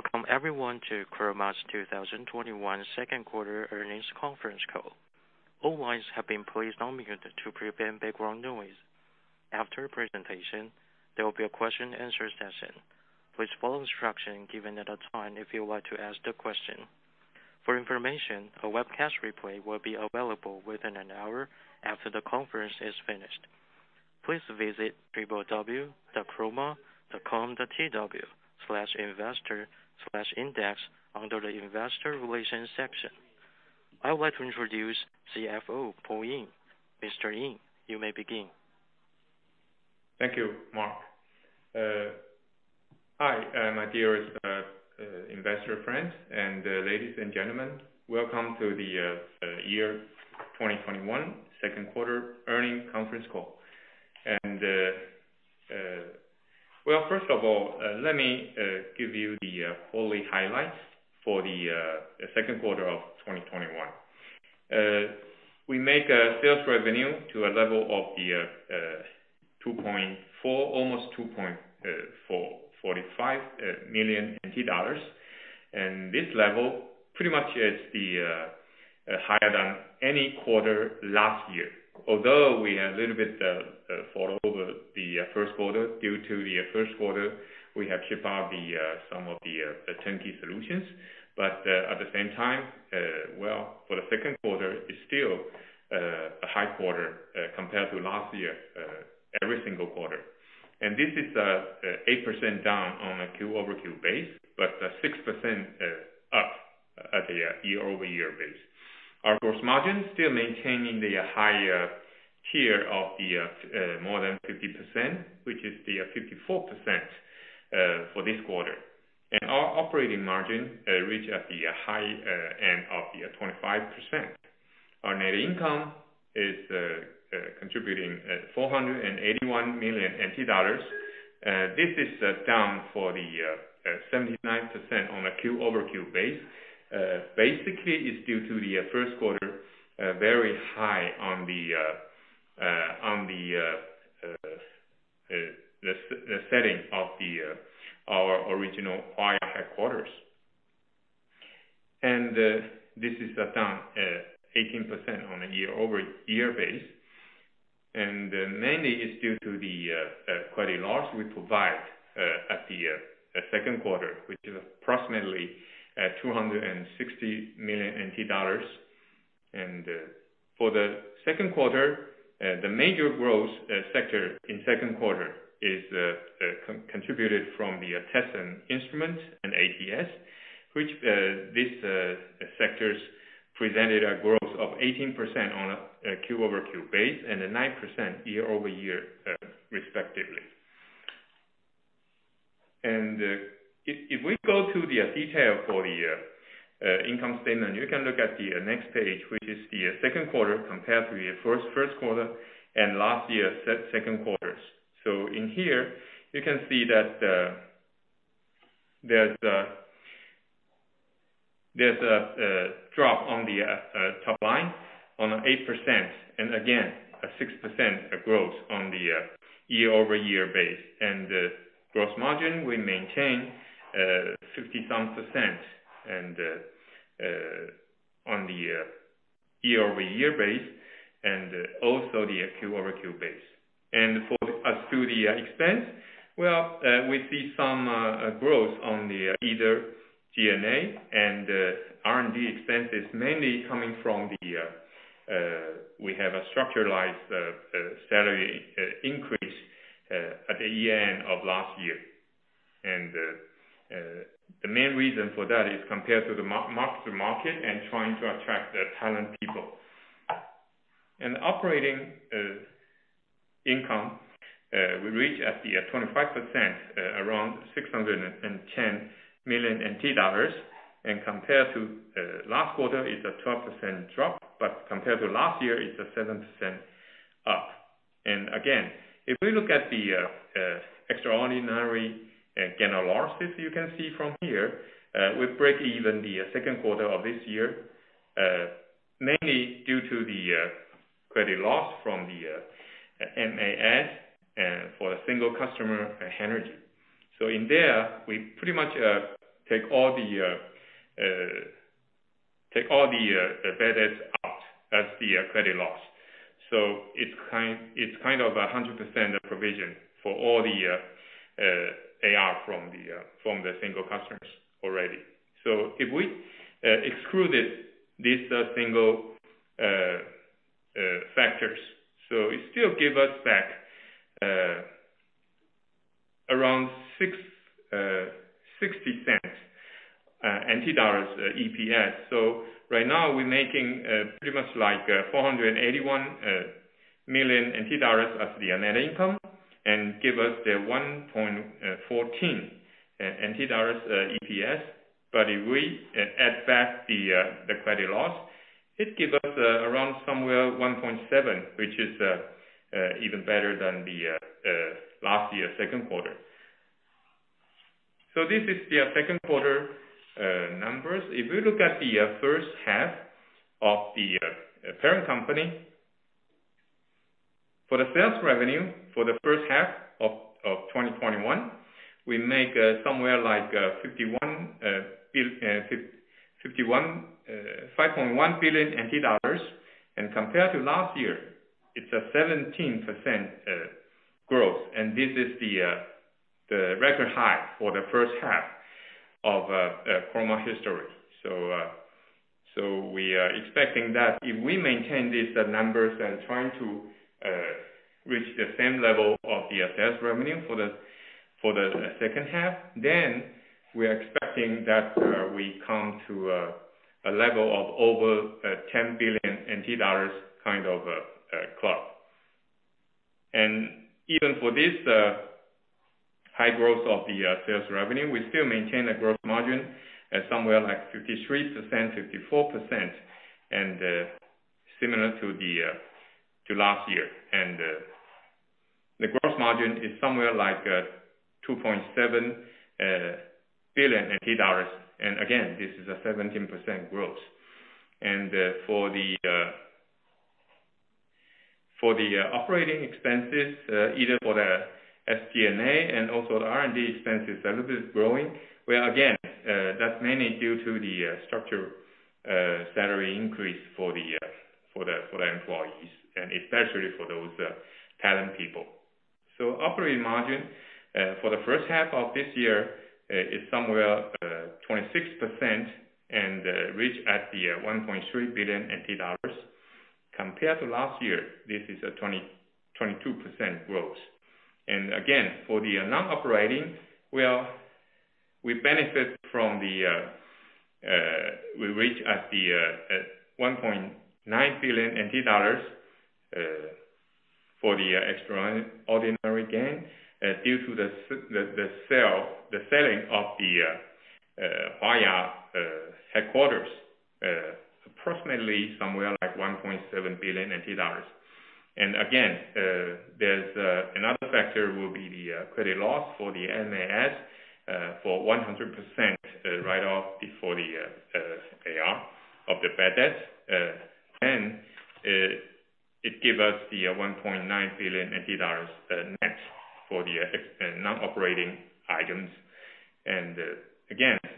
Welcome everyone to Chroma's 2021 second quarter earnings conference call. All lines have been placed on mute to prevent background noise. After the presentation, there will be a question-and-answer session. Please follow instructions given at the time if you'd like to ask the question. For information, a webcast replay will be available within one hour after the conference is finished. Please visit www.chroma.com.tw/investor/index under the investor relations section. I would like to introduce CFO Paul Ying. Mr. Ying, you may begin. Thank you, Mark. Hi, my dearest investor friends and ladies and gentlemen. Welcome to the year 2021 second quarter earnings conference call. Well, first of all, let me give you the key highlights for the second quarter of 2021. We make a sales revenue to a level of almost 2.45 million NT dollars. This level pretty much is higher than any quarter last year. Although we are a little bit, fall over the first quarter, due to the first quarter, we have shipped out some of the turnkey solutions. At the same time, well, for the second quarter, it's still a high quarter compared to last year every single quarter. This is 8% down on a Q-over-Q base, but 6% up at the year-over-year base. Our gross margin is still maintaining the high tier of more than 50%, which is the 54% for this quarter. Our operating margin reached at the high end of 25%. Our net income is contributing 481 million NT dollars. This is down for the 79% on a quarter-over-quarter base. Basically, it's due to the first quarter, very high on the setting of our original Hwa-Ya headquarters. This is down 18% on a year-over-year base. Mainly it's due to the credit loss we provide at the second quarter, which is approximately 260 million NT dollars. For the second quarter, the major growth sector in second quarter is contributed from the test instrument and ATS. These sectors presented a growth of 18% on a quarter-over-quarter base and a 9% year-over-year, respectively. If we go to the detail for the income statement, you can look at the next page, which is the second quarter compared to the first quarter and last year's second quarters. In here, you can see that there's a drop on the top line on 8%, and again, a 6% growth on the year-over-year base. The gross margin, we maintain 60-some percent and on the year-over-year base and also the Q-over-Q base. For us to the expense, well, we see some growth on either G&A and R&D expenses mainly coming from the We have a structuralized salary increase at the year-end of last year. The main reason for that is compared to the mark-to-market and trying to attract talent people. In operating income, we reach at the 25%, around 610 million NT dollars, compared to last quarter, it's a 12% drop, compared to last year, it's a 7% up. If we look at the extraordinary gain or losses, you can see from here, we break even the second quarter of this year, mainly due to the credit loss from the MAS, for a single customer, Hanergy. In there, we pretty much take all the bad debts out as the credit loss. It's kind of 100% provision for all the AR from the single customers already. If we excluded these single factors, it still give us back around 0.60 EPS. Right now we're making pretty much 481 million dollars of the net income and give us the 1.14 dollars EPS. If we add back the credit loss, it give us around somewhere 1.7, which is even better than the last year second quarter. This is the second quarter numbers. If you look at the first half of the parent company, for the sales revenue for the first half of 2021, we make somewhere like 5.1 billion NT dollars. Compared to last year, it's a 17% growth. This is the record high for the first half of Chroma history. We are expecting that if we maintain these numbers and trying to reach the same level of the sales revenue for the second half, then we are expecting that we come to a level of over 10 billion NT dollars kind of club. Even for this high growth of the sales revenue, we still maintain a gross margin at somewhere like 53%-54%, similar to last year. The gross margin is somewhere like 2.7 billion NT dollars. Again, this is a 17% growth. For the operating expenses, either for the SG&A and also the R&D expenses are a little bit growing, where again, that's mainly due to the structural salary increase for the employees and especially for those talent people. Operating margin for the first half of this year is somewhere 26% and reach at 1.3 billion NT dollars. Compared to last year, this is a 22% growth. Again, for the non-operating, we reach at 1.9 billion NT dollars for the extraordinary gain due to the selling of the Hwa-Ya headquarters, approximately somewhere like 1.7 billion NT dollars. Again, there's another factor will be the credit loss for the MAS for 100% write-off before the AR of the bad debt. It give us the 1.9 billion net for the non-operating items.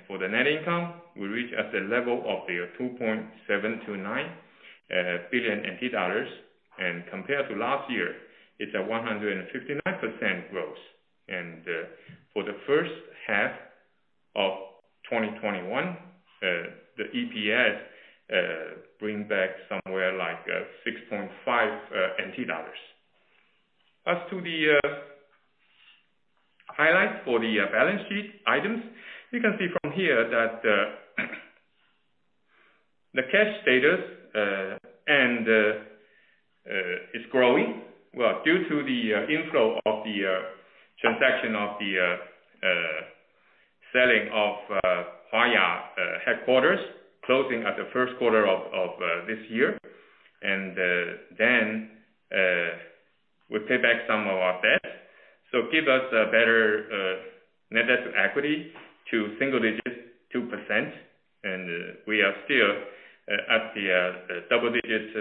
For the net income, we reach at the level of the 2.729 billion NT dollars. Compared to last year, it's a 159% growth. For the first half of 2021, the EPS bring back somewhere like NT$6.5. The highlights for the balance sheet items, you can see from here that the cash status and is growing well due to the inflow of the transaction of the selling of Hwa-Ya headquarters closing at the first quarter of this year. We pay back some of our debt. Give us a better net asset equity to single digits 2%, and we are still at the double digits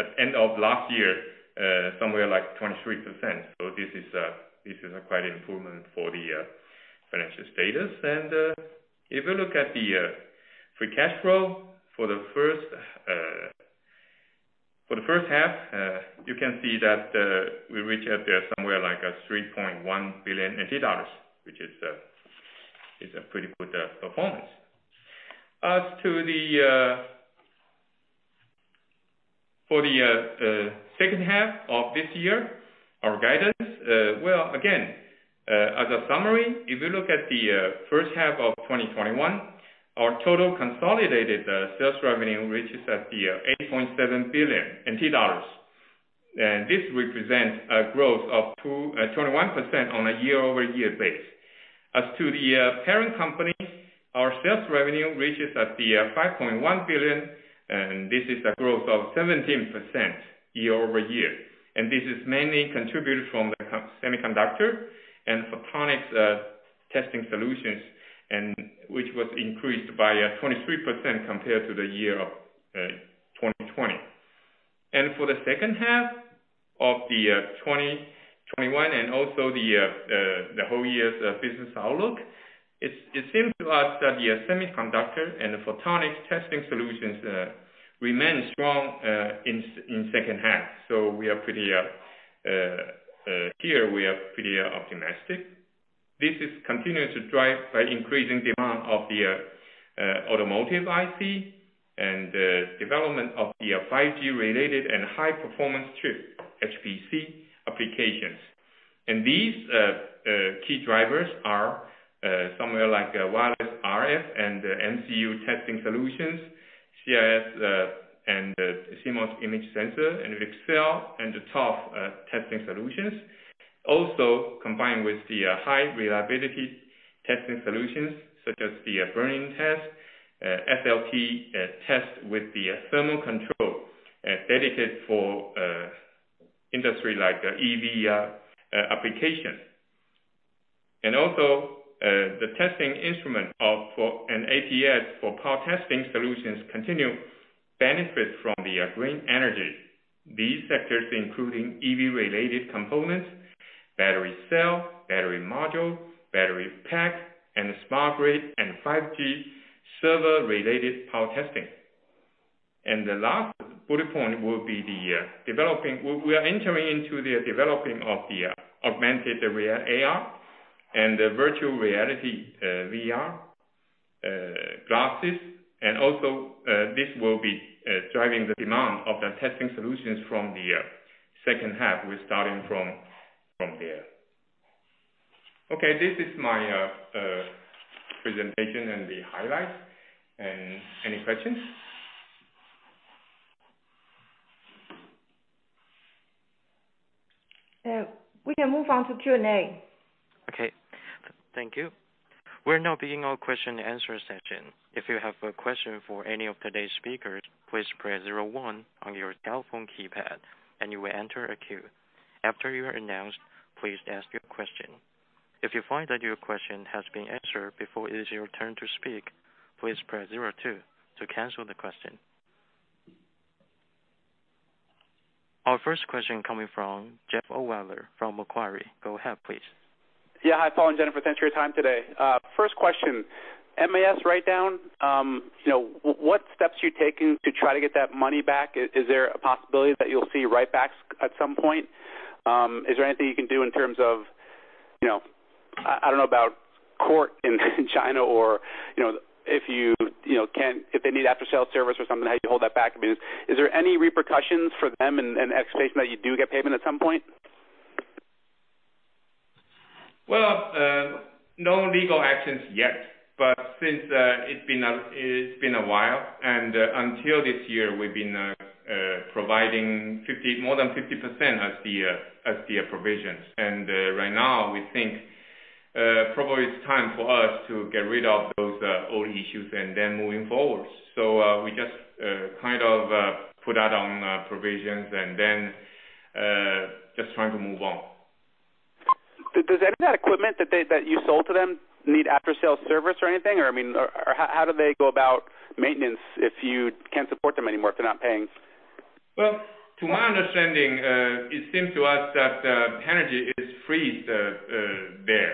at end of last year, somewhere like 23%. This is a quite an improvement for the financial status. If you look at the free cash flow for the first half, you can see that we reach at somewhere like 3.1 billion NT dollars, which is a pretty good performance. For the second half of this year, our guidance, well, again, as a summary, if you look at the first half of 2021, our total consolidated sales revenue reaches at 8.7 billion NT dollars. This represents a growth of 21% on a year-over-year basis. As to the parent company, our sales revenue reaches at 5.1 billion, this is a growth of 17% year-over-year. This is mainly contributed from the semiconductor and photonics testing solutions, which was increased by 23% compared to the year of 2020. For the second half of 2021 and also the whole year's business outlook, it seems to us that the semiconductor and the photonics testing solutions remain strong in second half. Here, we are pretty optimistic. This is continuing to drive by increasing demand of the automotive IC and the development of the 5G-related and high-performance chip, HPC applications. These key drivers are somewhere like wireless RF and MCU testing solutions, CIS and CMOS image sensor, and VCSEL and the ToF testing solutions. Also combined with the high reliability testing solutions such as the burn-in test, HALT test with the thermal control dedicated for industry like EV application. Also, the testing instrument for an ATS for power testing solutions continue benefit from the green energy. These sectors including EV-related components, battery cell, battery module, battery pack, and smart grid and 5G server-related power testing. We are entering into the developing of the augmented AR, and the virtual reality VR, glasses. Also, this will be driving the demand of the testing solutions from the second half, we're starting from there. Okay, this is my presentation and the highlights. Any questions? We can move on to Q&A. Okay. Thank you. We're now beginning our question-answer session. If you have a question for any of today's speakers, please press zero one on your telephone keypad and you will enter a queue. After you are announced, please ask your question. If you find that your question has been answered before it is your turn to speak, please press zero two to cancel the question. Our first question coming from Jeffery Tan from Macquarie. Go ahead, please. Yeah. Hi, Paul and Jennifer. Thanks for your time today. First question. MAS write-down, what steps are you taking to try to get that money back? Is there a possibility that you'll see write-backs at some point? Is there anything you can do in terms of, I don't know about court in China or, if they need after-sale service or something, how do you hold that back? Is there any repercussions for them and expectation that you do get payment at some point? Well, no legal actions yet. Since it's been a while, and until this year we've been providing more than 50% as the provisions. Right now, we think probably it's time for us to get rid of those old issues and then moving forward. We just put that on provisions and then just trying to move on. Does any of that equipment that you sold to them need after-sale service or anything? How do they go about maintenance if you can't support them anymore, if they're not paying? Well, to my understanding, it seems to us that the Hanergy is freezed there.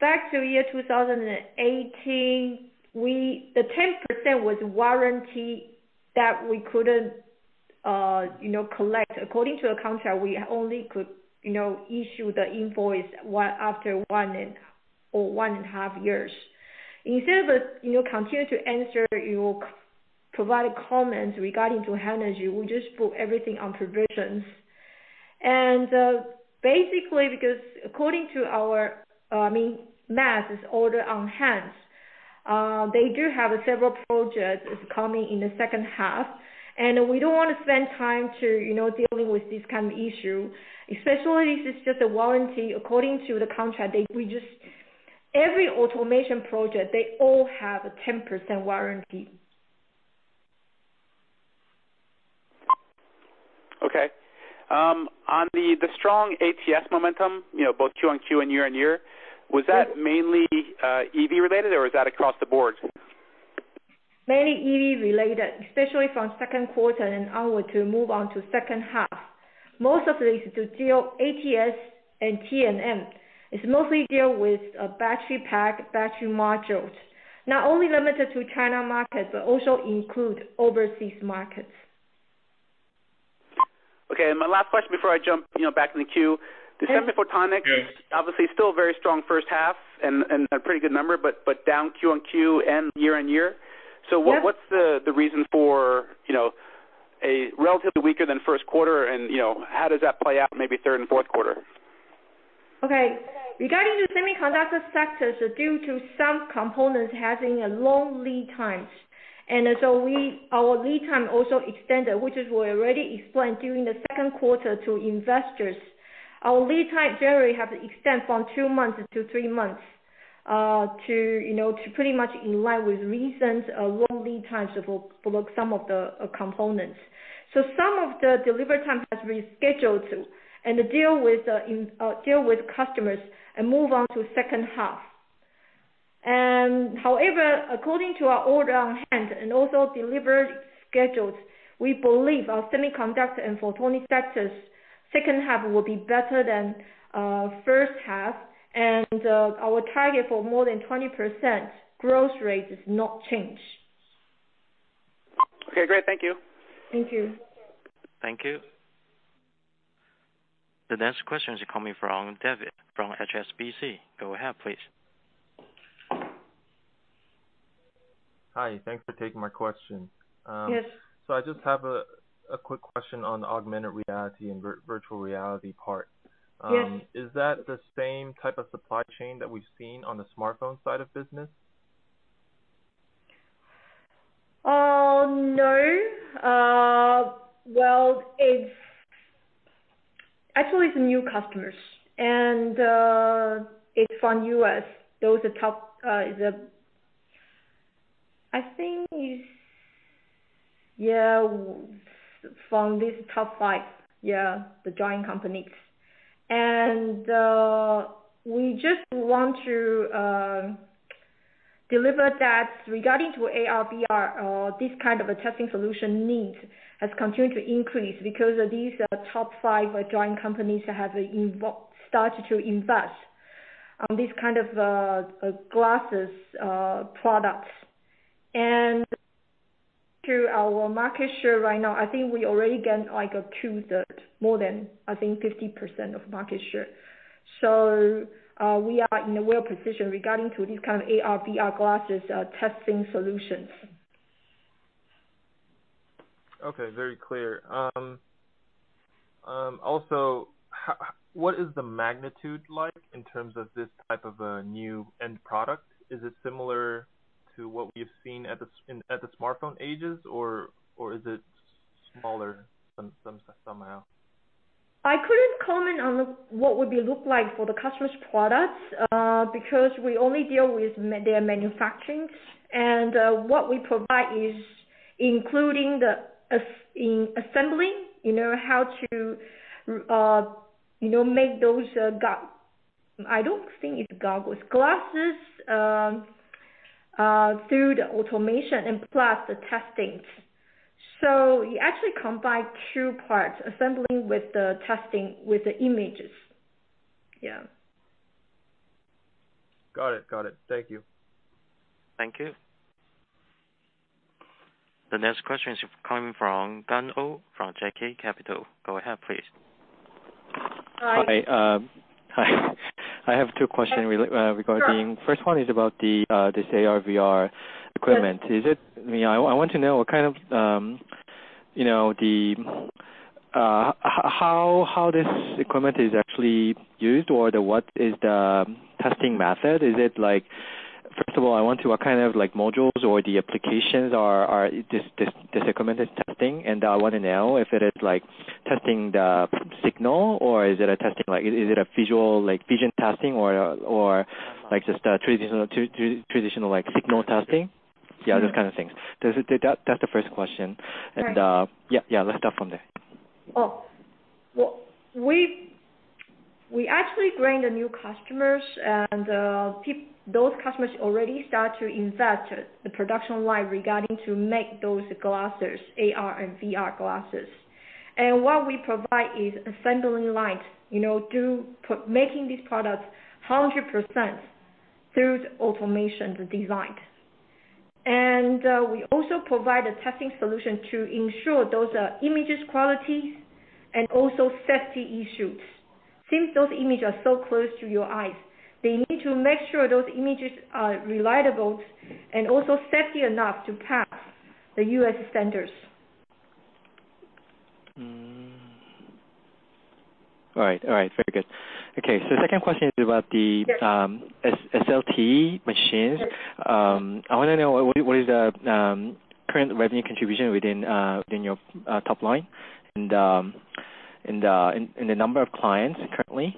Back to year 2018, the 10% was warranty that we couldn't collect. According to the contract, we only could issue the invoice after one or 1.5 years. Instead of continue to answer, you provide comments regarding to Hanergy, we just put everything on provisions. Basically because according to our, MAS' order on hand, they do have several projects coming in the second half, and we don't want to spend time to dealing with this kind of issue, especially if it's just a warranty according to the contract. Every automation project, they all have a 10% warranty. Okay. On the strong ATS momentum, both Q-on-Q and year-on-year, was that mainly EV related or was that across the board? Mainly EV related, especially from second quarter and onward to move on to second half. Most of these deal, ATS and T&M, is mostly deal with battery pack, battery modules. Not only limited to China market, but also include overseas markets. Okay. My last question before I jump back in the queue. The semi-photonic, obviously still very strong first half and a pretty good number, but down Q-on-Q and year-on-year. What's the reason for a relatively weaker than first quarter and how does that play out in maybe third and fourth quarter? Okay. Regarding the semiconductor sectors, due to some components having long lead times. Our lead time also extended, which is we already explained during the second quarter to investors. Our lead time generally have extend from two months to three months to pretty much in line with recent long lead times for some of the components. Some of the delivery time has rescheduled to deal with customers and move on to second half. However, according to our order on hand and also delivery schedules, we believe our semiconductor and photonic sectors second half will be better than first half. Our target for more than 20% growth rate is not changed. Okay, great. Thank you. Thank you. Thank you. The next question is coming from David from HSBC. Go ahead, please. Hi, thanks for taking my question. Yes. I just have a quick question on the augmented reality and virtual reality part. Yes. Is that the same type of supply chain that we've seen on the smartphone side of business? No. Well, actually, it's new customers and it's from U.S. Those are top. I think it's from these top five giant companies. We just want to deliver that regarding to AR/VR, this kind of a testing solution need has continued to increase because these top five giant companies have started to invest on these kind of glasses products. Through our market share right now, I think we already gain 2/3, more than, I think, 50% of market share. We are in a real position regarding to these kind of AR/VR glasses testing solutions. Okay, very clear. What is the magnitude like in terms of this type of a new end product? Is it similar to what we've seen at the smartphone ages, or is it smaller somehow? I couldn't comment on what would it look like for the customer's products, because we only deal with their manufacturing. What we provide is including the assembly, how to make those, I don't think it's goggles, glasses, through the automation and plus the testing. You actually combine two parts, assembly with the testing with the images. Yeah. Got it. Thank you. Thank you. The next question is coming from Gong Wu from JK Capital. Go ahead, please. Hi. Hi. I have two question regarding. First one is about this AR/VR equipment. I want to know how this equipment is actually used, or what is the testing method? First of all, I want to know what kind of modules or the applications this equipment is testing, and I want to know if it is testing the signal, or is it a vision testing or just a traditional signal testing? Those kind of things. That's the first question. Right. Yeah. Let's start from there. We actually bring the new customers, and those customers already start to invest the production line regarding to make those glasses, AR and VR glasses. What we provide is assembling lines, through making these products 100% through the automation design. We also provide a testing solution to ensure those images qualities and also safety issues. Since those images are so close to your eyes, they need to make sure those images are reliable and also safety enough to pass the U.S. standards. All right. Very good. Okay. Second question is about. Sure SLT machines. Sure. I want to know what is the current revenue contribution within your top line, and the number of clients currently?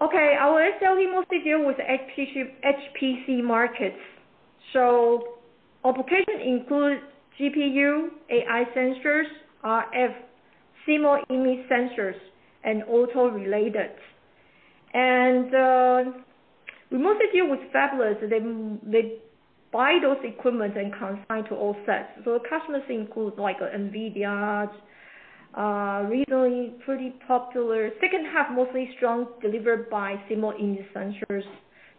Okay. Our SLT mostly deal with HPC markets. Application includes GPU, AI sensors, RF, CMOS image sensors, and auto-related. We mostly deal with fabless, they buy those equipment and consign to OSAT. The customers include like NVIDIA, really pretty popular. Second half, mostly strong delivered by CMOS image sensors.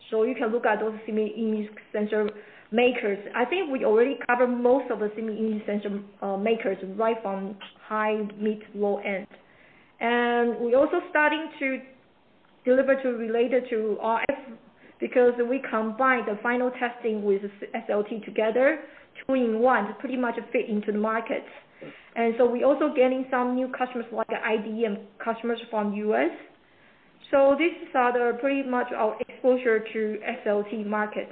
You can look at those CMOS image sensor makers. I think we already cover most of the CMOS image sensor makers right from high, mid, low end. We also starting to deliver to related to RF, because we combine the final testing with SLT together, two-in-one, to pretty much fit into the market. We also getting some new customers like the IDM customers from U.S. This is pretty much our exposure to SLT markets.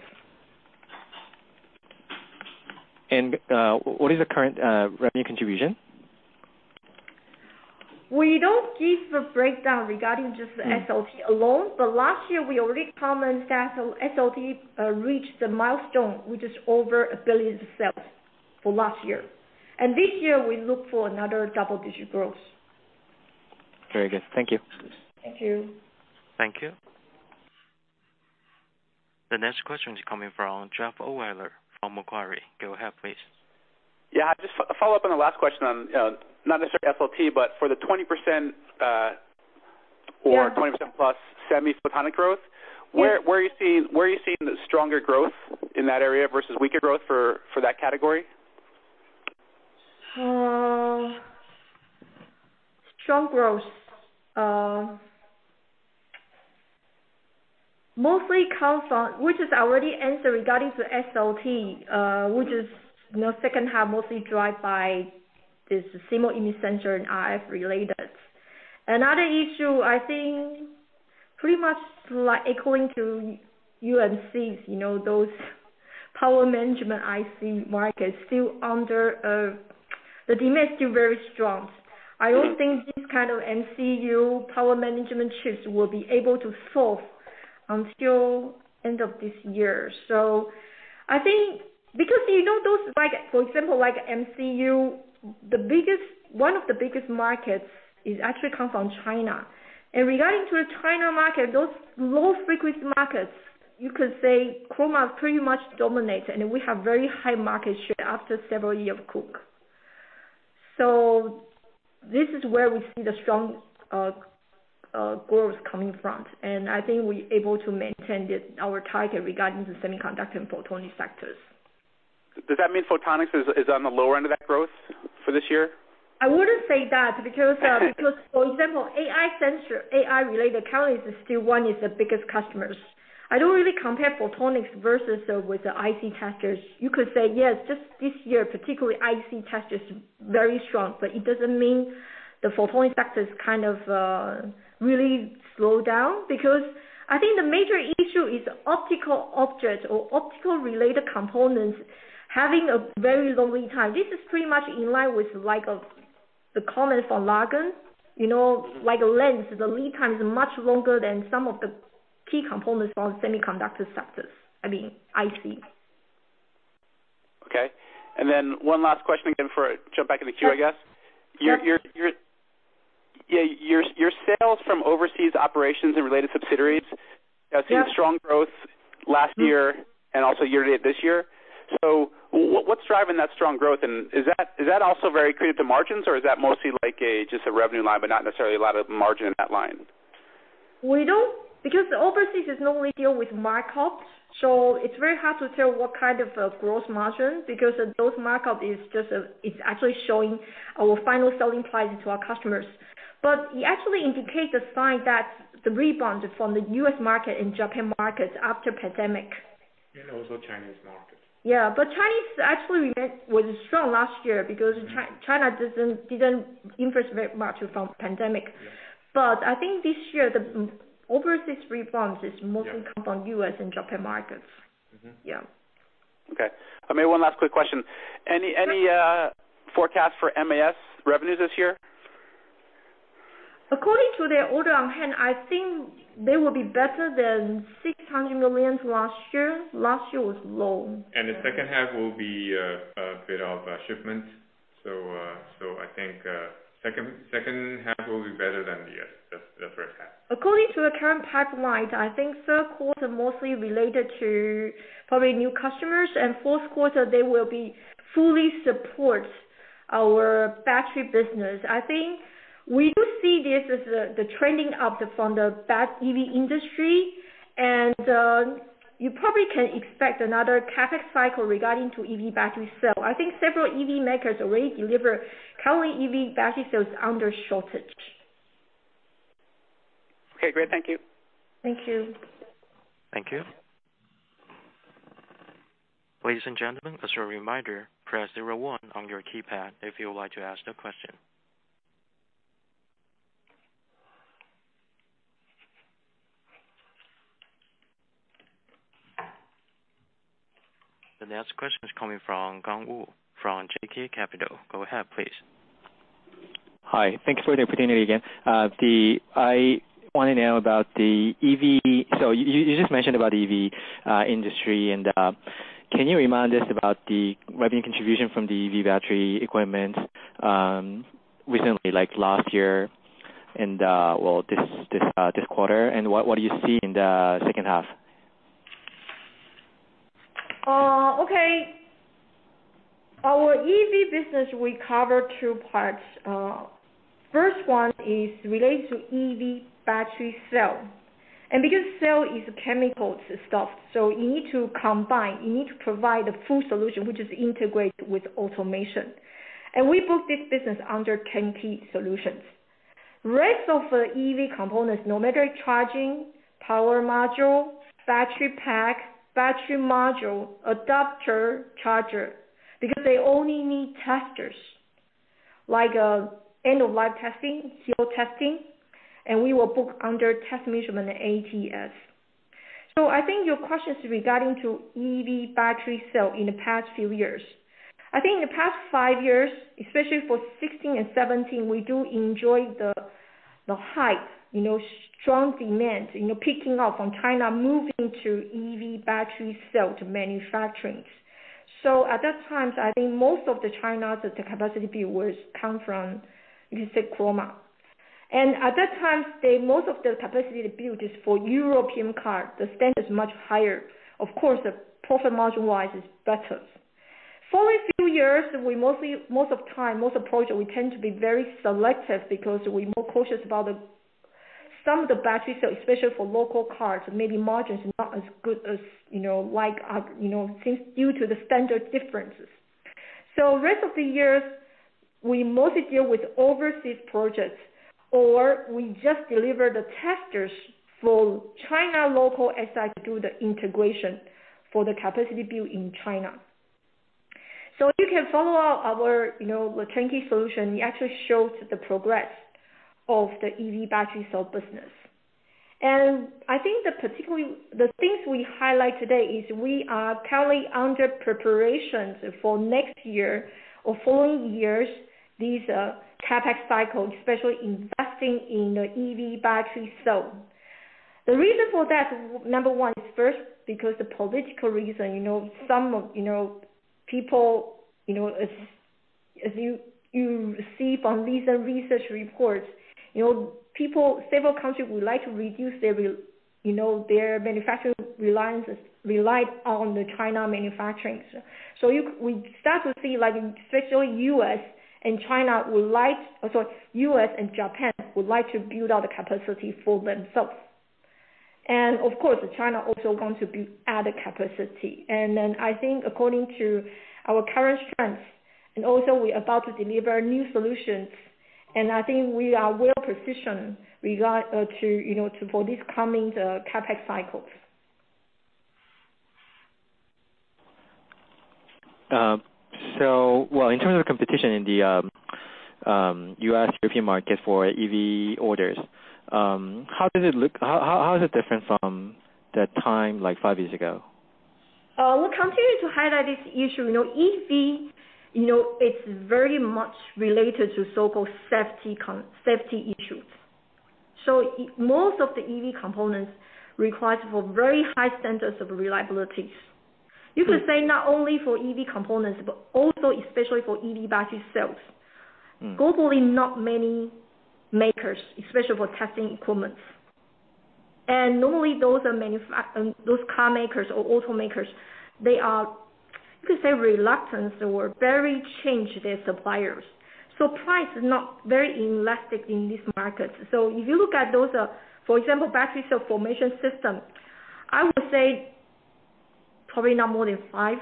What is the current revenue contribution? We don't give the breakdown regarding just the SLT alone, but last year we already commented that SLT reached the milestone, which is over 1 billion sales for last year. This year we look for another double-digit growth. Very good. Thank you. Thank you. Thank you. The next question is coming from Jeffery Tan from Macquarie. Go ahead, please. Yeah, just follow up on the last question on, not necessarily SLT, but for the 20%+ semi-photonic growth. Where are you seeing the stronger growth in that area versus weaker growth for that category? Strong growth. Mostly comes from, which is already answered regarding to SLT, which is second half, mostly drive by this CMOS image sensor and RF-related. Another issue, I think pretty much according to UMC, those power management IC markets, the demand is still very strong. I don't think this kind of MCU power management chips will be able to solve until end of this year. I think, because those, for example, MCU, one of the biggest markets actually comes from China. Regarding to the China market, those low-frequency markets, you could say Chroma pretty much dominates, and we have very high market share after several years of work. This is where we see the strong growth coming from, and I think we're able to maintain our target regarding the semiconductor and photonics sectors. Does that mean photonics is on the lower end of that growth for this year? I wouldn't say that because, for example, AI sensor, AI-related currently is still one of the biggest customers. I don't really compare photonics versus with the IC testers. You could say, yes, just this year, particularly IC testers, very strong, but it doesn't mean the photonics sector is really slowed down because I think the major issue is optical objects or optical-related components having a very long lead time. This is pretty much in line with the comments on larger. Like a lens, the lead time is much longer than some of the key components from semiconductor sectors, IC. Okay. One last question again before I jump back in the queue, I guess. Sure. Your sales from overseas operations and related subsidiaries. have seen strong growth last year and also year to date this year. What's driving that strong growth, and is that also very creative to margins, or is that mostly just a revenue line, but not necessarily a lot of margin in that line? The overseas is normally deal with markups, so it's very hard to tell what kind of a gross margin, because those markups, it's actually showing our final selling prices to our customers. It actually indicates a sign that the rebound from the U.S. market and Japan markets after pandemic. Also Chinese market. Yeah. Chinese actually remained strong last year because China didn't influence very much from pandemic. Yeah. I think this year, the overseas rebounds is mostly come from U.S. and Japan markets. Yeah. Okay. Maybe one last quick question. Any forecast for MAS revenues this year? According to their order on hand, I think they will be better than 600 million last year. Last year was low. The second half will be a bit of a shipment. I think second half will be better than the first half. According to the current pipeline, I think third quarter mostly related to probably new customers, and fourth quarter, they will be fully support our battery business. I think we do see this as the trending up from the EV industry. You probably can expect another CapEx cycle regarding to EV battery cell. I think several EV makers already deliver currently EV battery cells under shortage. Okay, great. Thank you. Thank you. Thank you. Ladies and gentlemen, as a reminder, press zero one on your keypad if you would like to ask a question. The next question is coming from Gong Wu from JK Capital. Go ahead, please. Hi. Thank you for the opportunity again. I want to know about the EV. You just mentioned about EV industry, can you remind us about the revenue contribution from the EV battery equipment recently, like last year and this quarter, and what do you see in the second half? Okay. Our EV business, we cover trwo parts. First one is related to EV battery cell. Because cell is chemical stuff, you need to provide the full solution, which is integrated with automation. We book this business under turnkey solutions. Rest of the EV components, no matter charging, power module, battery pack, battery module, adapter, charger, because they only need testers, like end-of-line testing, cell testing, we will book under T&M ATS. I think your question is regarding to EV battery cell in the past few years. I think in the past five years, especially for 2016 and 2017, we do enjoy the hype, strong demand, picking up from China, moving to EV battery cell to manufacturing. At that time, I think most of the China, the capacity build was come from, you can say, Chroma. At that time, most of the capacity they built is for European cars. The standard is much higher. Of course, the profit margin-wise is better. For a few years, most of time, most of project, we tend to be very selective because we're more cautious about some of the battery cell, especially for local cars, maybe margins are not as good due to the standard differences. Rest of the years, we mostly deal with overseas projects, or we just deliver the testers for China local SI to do the integration for the capacity build in China. You can follow our turnkey solution. It actually shows the progress of the EV battery cell business. I think particularly the things we highlight today is we are currently under preparations for next year or following years, these CapEx cycles, especially investing in EV battery cell. The reason for that, number one is first, because the political reason. As you receive on recent research reports, several countries would like to reduce their manufacturing reliance on the China manufacturing. We start to see, especially U.S. and Japan, would like to build out the capacity for themselves. Of course, China also going to add capacity. I think according to our current strength, and also we're about to deliver new solutions, and I think we are well-positioned for these coming CapEx cycles. Well, in terms of competition in the U.S., European market for EV orders, how is it different from the time like five years ago? We'll continue to highlight this issue. EV, it's very much related to so-called safety issues. Most of the EV components require for very high standards of reliabilities. You could say not only for EV components, but also especially for EV battery cells. Globally, not many makers, especially for testing equipment. Normally, those car makers or auto makers, they are, you could say, reluctant or very change their suppliers. Price is not very elastic in this market. If you look at those, for example, battery cell formation system, I would say probably not more than five.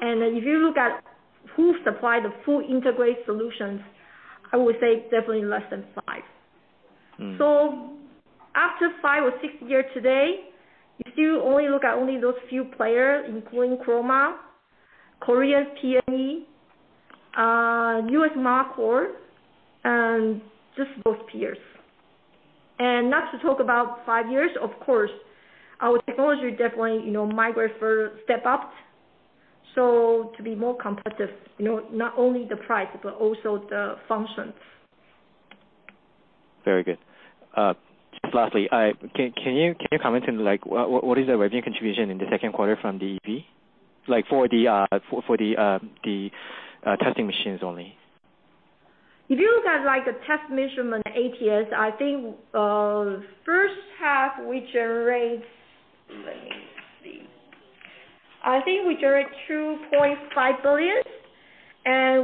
If you look at who supply the full integrated solutions, I would say definitely less than five. After five or six years today, if you only look at only those few players, including Chroma, PNE Solution, Maccor, and just those peers. Not to talk about five years, of course, our technology definitely migrate for step up. To be more competitive, not only the price, but also the functions. Very good. Lastly, can you comment on what is the revenue contribution in the second quarter from the EV? For the testing machines only. If you look at the test measurement ATS, I think first half, we generate 2.5 billion,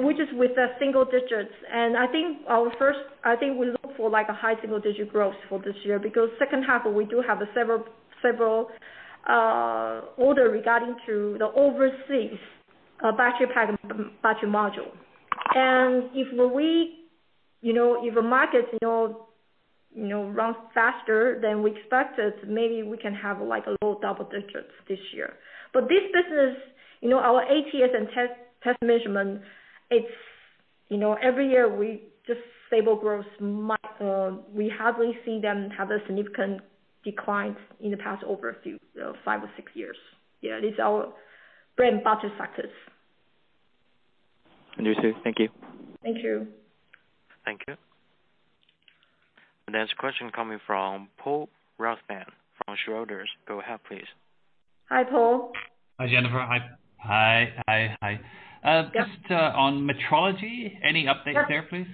which is with a single digits. I think we look for a high single-digit growth for this year, because second half, we do have several order regarding to the overseas battery pack and battery module. If the market runs faster than we expected, maybe we can have a low double digits this year. This business, our ATS and test measurement, every year, we just stable growth. We hardly see them have a significant decline in the past over five or six years. Yeah, it is our bread and butter sectors. Understood. Thank you. Thank you. Thank you. The next question coming from Paul Rokes from Schroders. Go ahead, please. Hi, Paul. Hi, Jennifer. Hi. Just on metrology, any updates there, please?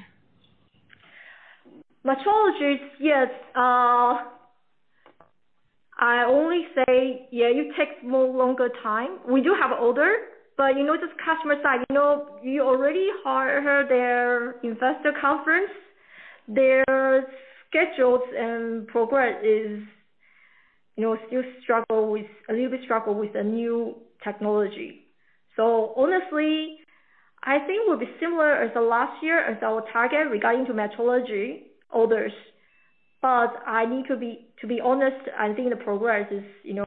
Metrology, yes. I only say, it takes more longer time. We do have order, but just customer side. You already heard their investor conference, their schedules and progress is still a little bit struggle with the new technology. Honestly, I think it will be similar as the last year as our target regarding to metrology orders. To be honest, I think the progress seems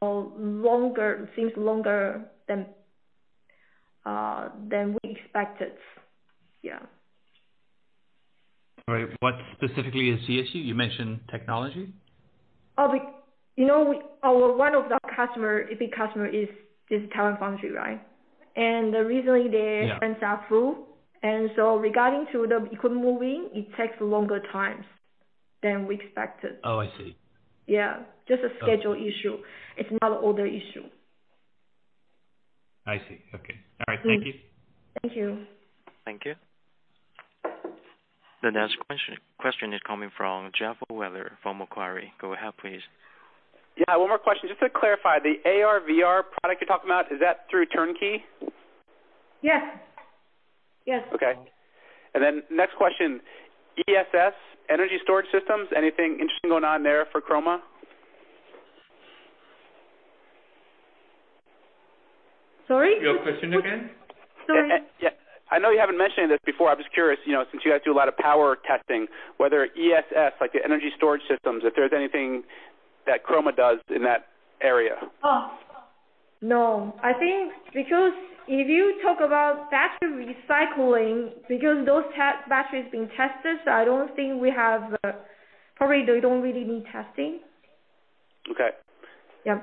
longer than we expected. All right. What specifically is the issue? You mentioned technology. One of our big customer is Taiwan foundry, right? Yeah Run self-reliance, regarding the equipment moving, it takes longer times than we expected. Oh, I see. Yeah, just a schedule issue. It's not order issue. I see. Okay. All right. Thank you. Thank you. Thank you. The next question is coming from Jeffery Tan from Macquarie. Go ahead, please. Yeah, one more question. Just to clarify the AR/VR product you're talking about, is that through turnkey? Yes. Okay. Next question, ESS, energy storage systems, anything interesting going on there for Chroma? Sorry? Your question again? Sorry. Yeah. I know you haven't mentioned this before. I was curious, since you guys do a lot of power testing, whether ESS, like the energy storage systems, if there's anything that Chroma does in that area? No, I think because if you talk about battery recycling, because those batteries being tested, so I don't think probably they don't really need testing. Okay. Yeah.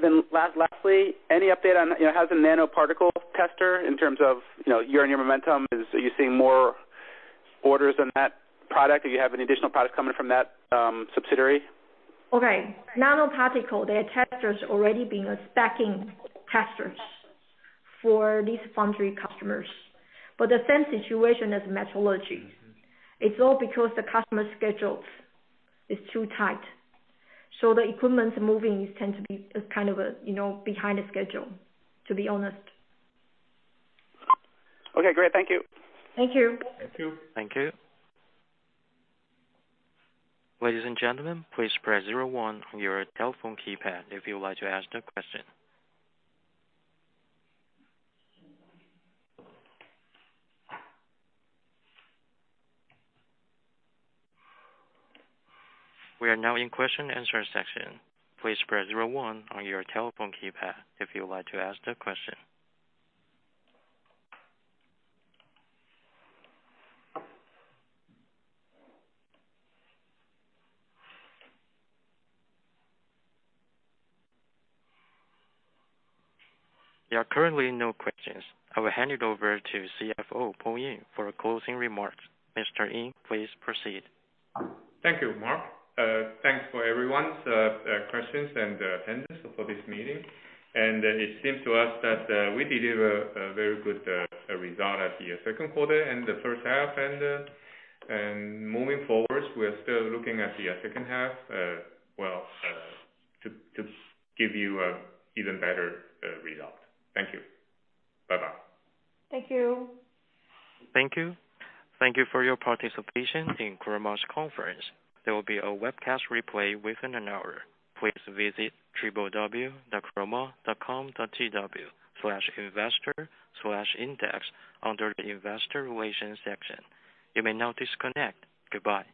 Lastly, any update on how's the nanoparticle tester in terms of year-over-year momentum? Are you seeing more orders on that product? Do you have any additional products coming from that subsidiary? Okay. Nanoparticle, their testers already being stacking testers for these foundry customers. The same situation as metrology. It's all because the customer schedules is too tight, so the equipment moving tends to be behind the schedule, to be honest. Okay, great. Thank you. Thank you. Thank you. Thank you. Ladies and gentlemen, please press zero one on your telephone keypad if you would like to ask a question. We are now in question and answer session. Please press zero one on your telephone keypad if you would like to ask a question. There are currently no questions. I will hand it over to CFO, Paul Ying, for a closing remark. Mr. Ying, please proceed. Thank you, Mark. Thanks for everyone's questions and attendance for this meeting. It seems to us that we deliver a very good result at the second quarter and the first half. Moving forward, we're still looking at the second half to give you an even better result. Thank you. Bye-bye. Thank you. Thank you. Thank you for your participation in Chroma's conference. There will be a webcast replay within an hour. Please visit www.chroma.com.tw/en/investor-relations/investor-contact under the investor relations section. You may now disconnect. Goodbye.